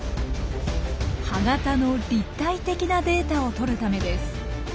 歯型の立体的なデータを取るためです。